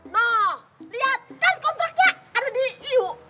nah liat kan kontraknya ada di iu